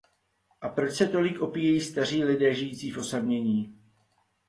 A proč se tolik opíjejí staří lidé žijící v osamění?